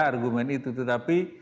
argumen itu tetapi